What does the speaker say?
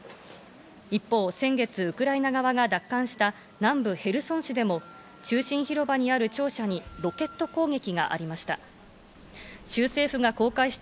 一方、先月ウクライナ側が奪還した南部ヘルソン市でも中心広場にある庁舎にロケット攻撃がありました。